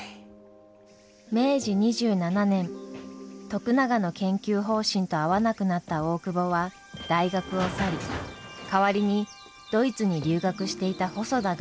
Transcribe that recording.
明治２７年徳永の研究方針と合わなくなった大窪は大学を去り代わりにドイツに留学していた細田が助教授に就任しました。